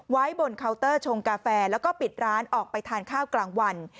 ไว้บนเคาน์เตอร์ชงกาแฟแล้วก็ปิดร้านออกไปทานข้าวกลางวัน